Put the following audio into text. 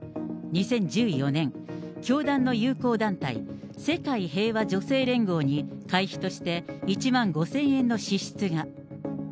２０１４年、教団の友好団体、世界平和女性連合に会費として１万５０００円の支出が。